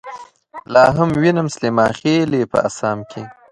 لاهم وينم سليمانخيلې په اسام کې